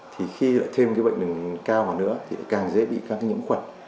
thì khi lại thêm bệnh đường cao vào nữa thì càng dễ bị các nhiễm khuẩn